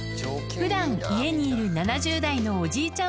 普段家にいる７０代のおじいちゃん